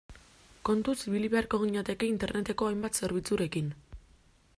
Kontuz ibili beharko ginateke Interneteko hainbat zerbitzurekin.